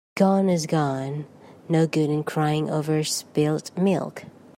Gone is gone. No good in crying over spilt milk